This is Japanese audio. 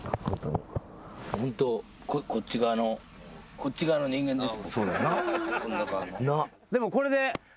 ホントこっち側のこっち側の人間です。